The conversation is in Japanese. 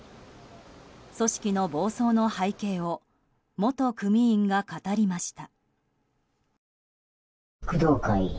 組織の暴走の背景を元組員が語りました。